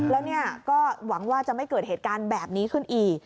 แล้วเนี่ยก็หวังว่าจะไม่เกิดเหตุการณ์แบบนี้ขึ้นอีก